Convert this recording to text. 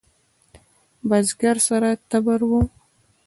بزگر سره تبر و.